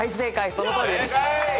そのとおりです。